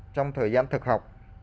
trong thời gian thực học